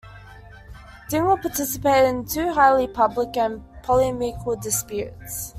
Dingle participated in two highly public and polemical disputes.